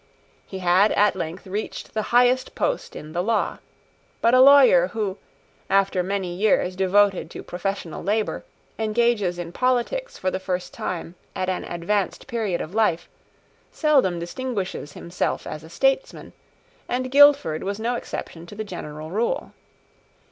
He had at length reached the highest post in the law. But a lawyer, who, after many years devoted to professional labour, engages in politics for the first time at an advanced period of life, seldom distinguishes himself as a statesman; and Guildford was no exception to the general rule.